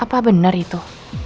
apa bener itu